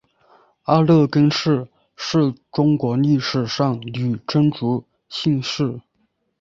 阿勒根氏是中国历史上女真族姓氏。